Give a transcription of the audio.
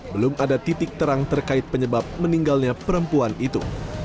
belum ada titik terang terkait penyebab meninggalnya perempuan itu